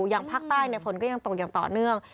อย่างภาคใต้ฝนก็ยังตกอย่างต่อเนื่อง